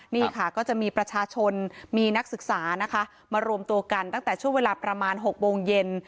นี่ค่ะก็จะมีประชาชนมีนักศึกษานะคะมารวมตัวกันตั้งแต่ช่วงเวลาประมาณ๖โมงเย็น